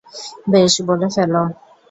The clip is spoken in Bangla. বেশ, বলে ফেলো।